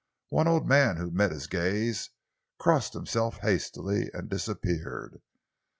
One old man who met his gaze crossed himself hastily and disappeared.